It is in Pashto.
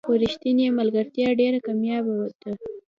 خو رښتینې ملګرتیا ډېره کمیابه ده.